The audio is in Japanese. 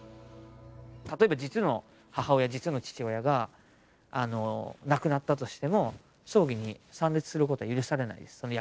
例えば実の母親実の父親が亡くなったとしても葬儀に参列することは許されないです。